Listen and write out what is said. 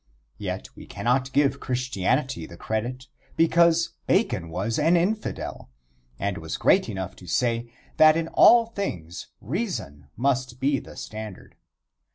Yet we cannot give Christianity the credit, because Bacon was an infidel, and was great enough to say that in all things reason must be the standard.